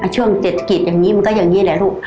ช่วงเศรษฐกิจอย่างนี้มันก็อย่างนี้แหละลูก